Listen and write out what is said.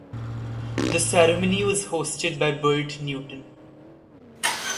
The ceremony was hosted by Bert Newton.